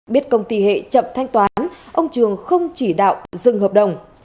biết công ty hệ chậm thanh toán ông trường không chỉ đạo dừng hợp đồng